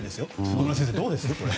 野村先生、どうですか？